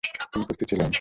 তিনি প্রস্তুত ছিলেন।